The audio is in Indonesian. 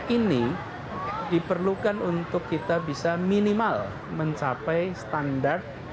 ini diperlukan untuk kita bisa minimal mencapai standar